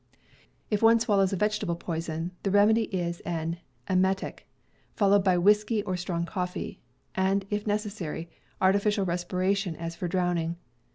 If one swallows a vegetable poison, the remedy is an emetic, followed by whiskey or strong coffee, and, if necessary, artificial respiration as for drowning.